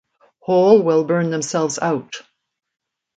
Hole will burn themselves out.